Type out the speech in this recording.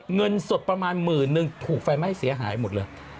เงินสดประมาณหมื่นนึงถูกไฟไหม้เสียหายหมดเลย